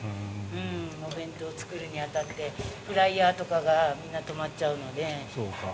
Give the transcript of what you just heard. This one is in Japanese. お弁当を作るに当たってフライヤーとかがみんな止まっちゃうので。